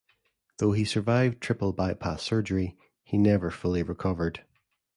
Though he survived triple bypass surgery, he never fully recovered.